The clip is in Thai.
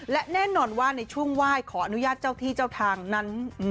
และแน่นอนว่าในช่วงไหว้ขออนุญาตเจ้าที่เจ้าทางนั้น